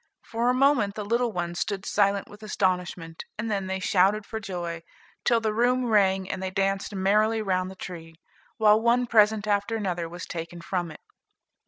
For a moment the little ones stood silent with astonishment, and then they shouted for joy, till the room rang, and they danced merrily round the tree, while one present after another was taken from it.